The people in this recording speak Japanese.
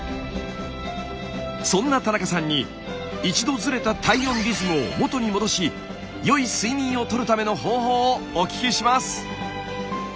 そんな田中さんに一度ずれた体温リズムを元に戻しよい睡眠をとるための方法をお聞きします！